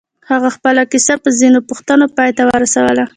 هغه خپله کيسه په ځينو پوښتنو پای ته ورسوله.